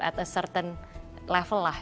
at a certain level lah